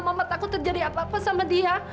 mama takut terjadi apa apa sama dia